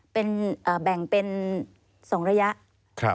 เป็นแบ่งเป็น๒ระยะ